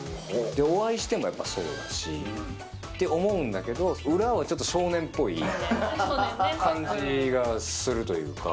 お会いしてもやっぱりそうだし、って思うんだけど、裏はちょっと少年っぽい感じがするというか。